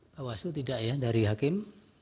pak wasu tidak ya dari hakim